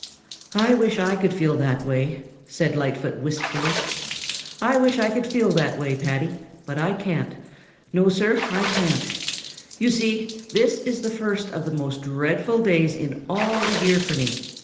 "I wish I could feel that way," said Lightfoot wistfully. "I wish I could feel that way, Paddy, but I can't. No, Sir, I can't. You see, this is the first of the most dreadful days in all the year for me.